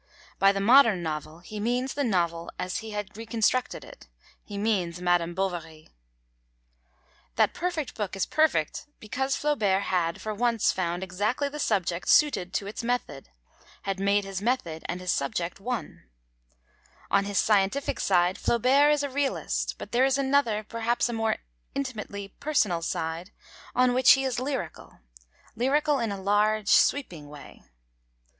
By the modern novel he means the novel as he had reconstructed it; he means Madame Bovary. That perfect book is perfect because Flaubert had, for once, found exactly the subject suited to his method, had made his method and his subject one. On his scientific side Flaubert is a realist, but there is another, perhaps a more intimately personal side, on which he is lyrical, lyrical in a large, sweeping way.